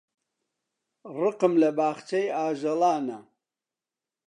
ڕقم لە باخچەی ئاژەڵانە.